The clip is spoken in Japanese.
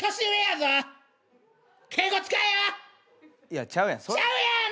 いやちゃうやん。